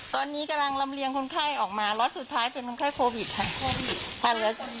ตอนนี้กำลังลำเลียงคนไข้ออกมาล็อตสุดท้ายเป็นคนไข้โควิดค่ะ